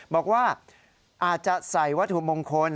บอกว่าอาจจะใส่วัตถุมงคล